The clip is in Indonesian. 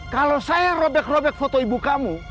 kalau saya robek robek foto ibu kamu